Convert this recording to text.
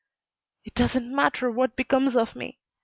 "It doesn't matter what becomes of me.